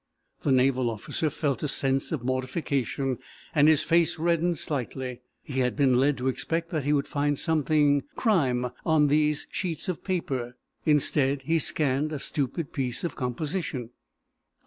The naval officer felt a sense of mortification and his face reddened slightly. He had been led to expect that he would find something crime on these sheets of paper. Instead, he scanned a stupid piece of composition.